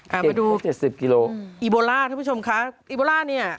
เอาไปดูอีโบล่าทุกผู้ชมค่ะอีโบล่านี่